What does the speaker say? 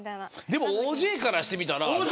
でもＯＪからしてみたら。